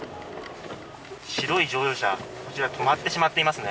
白い乗用車こちら止まってしまっていますね。